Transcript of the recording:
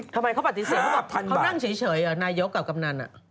ทำไมเขาปฏิเสธว่าแบบเขานั่งเฉยนายกกับกำนัน